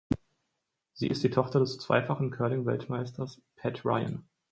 Sie ist die Tochter des zweifachen Curling-Weltmeisters Pat Ryan.